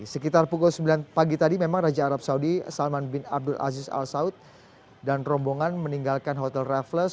sekitar pukul sembilan pagi tadi memang raja arab saudi salman bin abdul aziz al saud dan rombongan meninggalkan hotel raffles